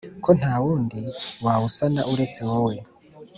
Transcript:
ko ntawundi wawusana uretse wowe!!"